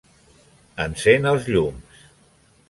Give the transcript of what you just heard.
Encén els llums.